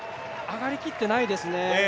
上がり切っていないですね。